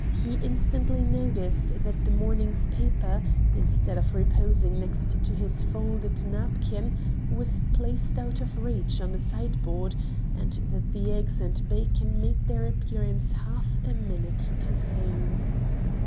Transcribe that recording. He instantly noticed that the morning paper, instead of reposing next to his folded napkin, was placed out of reach on a sideboard, and that the eggs and bacon made their appearance half a minute too soon.